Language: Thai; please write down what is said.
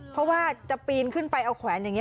เพราะว่าจะปีนขึ้นไปเอาแขวนอย่างนี้